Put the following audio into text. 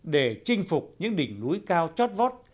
để chinh phục những đỉnh núi cao chót vót